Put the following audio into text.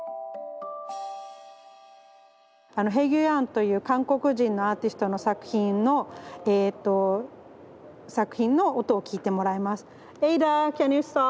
あのヘギュヤンという韓国人のアーティストの作品のえと作品の音を聞いてもらいます。